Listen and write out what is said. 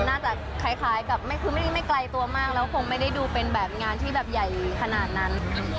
น่าจะคล้ายกับไม่ไกลตัวมากแล้วคงไม่ได้ดูเป็นแบบงานที่แบบใหญ่ขนาดนั้น